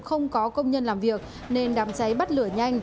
không có công nhân làm việc nên đám cháy bắt lửa nhanh